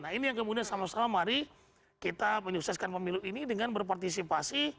nah ini yang kemudian sama sama mari kita menyukseskan pemilu ini dengan berpartisipasi